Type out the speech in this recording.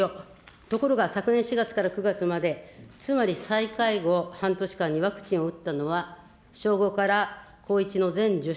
ところが、昨年４月から９月まで、つまり、再開後半年間にワクチンを打ったのは小５から高１の全女子